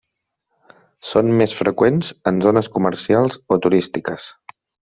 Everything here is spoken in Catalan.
Són més freqüents en zones comercials o turístiques.